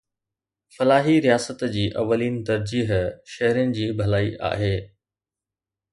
فلاحي رياست جي اولين ترجيح شهرين جي ڀلائي آهي